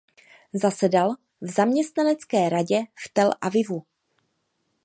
Zasedal v zaměstnanecké radě v Tel Avivu.